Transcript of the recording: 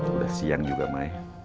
udah siang juga mai